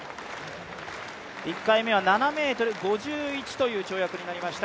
１回目は７ｍ５１という跳躍になりました。